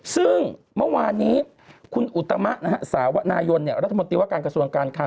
ซึ่งเมื่อวานนี้คุณอุตมะสาวนายนรัฐมนตรีว่าการกระทรวงการค